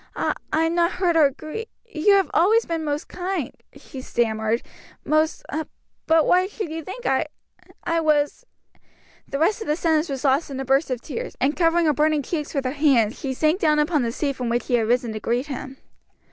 "I I'm not hurt or gri you have always been most kind," she stammered, "most But why should you think I I was " The rest of the sentence was lost in a burst of tears, and covering her burning cheeks with her hands, she sank down upon the seat from which she had risen to greet him.